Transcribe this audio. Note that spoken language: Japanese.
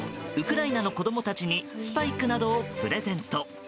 ウクライナの子供たちにスパイクなどをプレゼント。